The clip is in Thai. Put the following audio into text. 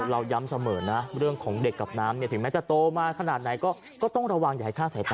เราย้ำเสมอนะเรื่องของเด็กกับน้ำเนี่ยถึงแม้จะโตมาขนาดไหนก็ต้องระวังอย่าให้ฆ่าสายตา